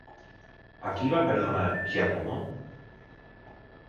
A qui va perdonar Giacomo?